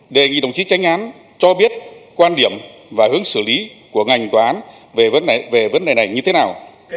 đề nghị đồng chí tranh án cho biết quan điểm và hướng xử lý của ngành tòa án về vấn đề này như thế nào